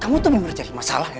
kamu tuh bener bener jadi masalah ya